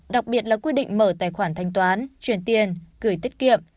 đặc biệt là quy định mở tài khoản thanh toán chuyển tiền gửi tiết kiệm